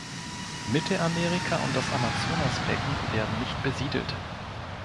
Mittelamerika und das Amazonasbecken werden nicht besiedelt.